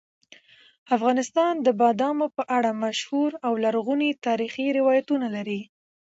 افغانستان د بادامو په اړه مشهور او لرغوني تاریخي روایتونه لري.